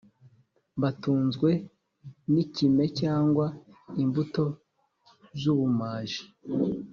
batunzwe n’ikime cyangwa imbuto z’ubumaji.